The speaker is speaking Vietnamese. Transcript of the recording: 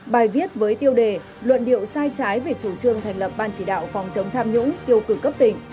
bài viết với tiêu đề luận điệu sai trái về chủ trương thành lập ban chỉ đạo phòng chống tham nhũng tiêu cực cấp tỉnh